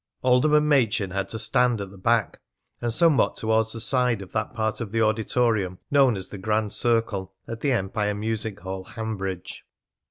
Alderman Machin had to stand at the back, and somewhat towards the side, of that part of the auditorium known as the Grand Circle at the Empire Music Hall, Hanbridge.